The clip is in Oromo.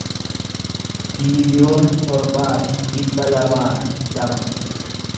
biiliyoona torbaa fi dhibba lamaa fi lama